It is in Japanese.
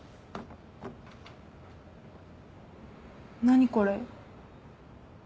何これ？